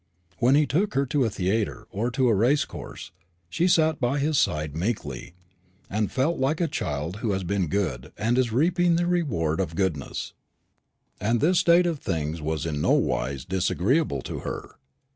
When he took her to a theatre or a racecourse, she sat by his side meekly, and felt like a child who has been good and is reaping the reward of goodness. And this state of things was in nowise disagreeable to her.